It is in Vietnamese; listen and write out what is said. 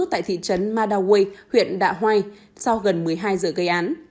tại thị trấn madaway huyện đạ hoai sau gần một mươi hai giờ gây án